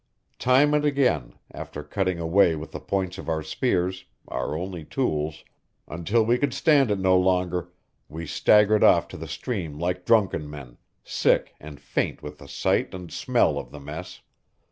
Time and again, after cutting away with the points of our spears our only tools until we could stand it no longer, we staggered off to the stream like drunken men, sick and faint with the sight and smell of the mess.